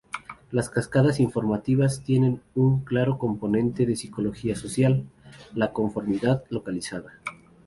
Las cascadas informativas tienen un claro componente de psicología social: la conformidad localizada.